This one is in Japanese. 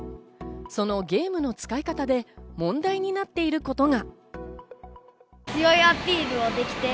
そのゲームの使い方で問題になっていることが。